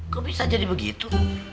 kok bisa jadi begitu